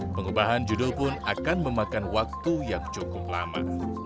pengubahan judul pun akan memakan waktu yang cukup lama